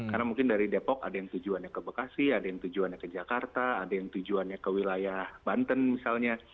karena mungkin dari depok ada yang tujuannya ke bekasi ada yang tujuannya ke jakarta ada yang tujuannya ke wilayah banten misalnya